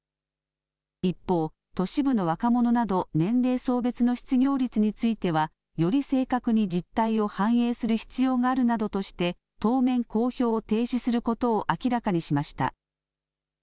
一方、都市部の若者など年齢層別の失業率についてはより正確に実態を反映する必要があるなどとして当面、公表を停止することを明らかにしました。